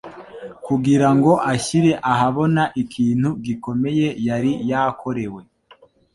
kugira ngo ashyire ahabona ikintu gikomeye yari yakorewe